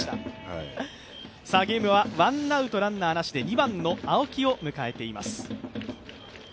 ゲームはワンアウトランナーなしで２番の青木を迎えています。